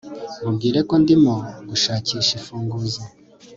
Mubwire ko ndimo gushakisha imfunguzo